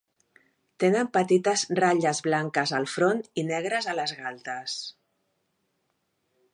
Tenen petites ratlles blanques al front i negres a les galtes.